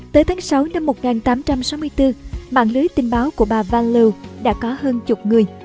tới tháng sáu năm một nghìn tám trăm sáu mươi bốn mạng lưới tình báo của bà van loo đã có hơn chục người